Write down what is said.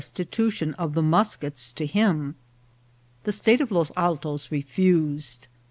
titution of the muskets to him. The State of Los Altos refused.